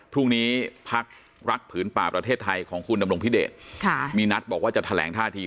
พรุ่งนี้พักรักผืนป่าประเทศไทยของคุณดำรงพิเดชมีนัดบอกว่าจะแถลงท่าที